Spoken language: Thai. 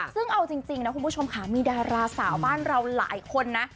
ซึ่งเอาจริงนะคุณผู้ชมค่ะมีดาราสาวบ้านเราหลายคนนะ